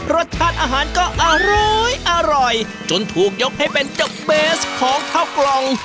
รสชาติอาหารก็อร้อยอร่อยจนถูกยกให้เป็นดอกเบสของข้าวกล่อง